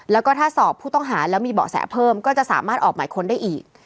แล้วก็ถ้าสอบผู้ต้องหาแล้วมีเบาะแสเพิ่มก็จะสามารถออกหมายค้นได้อีก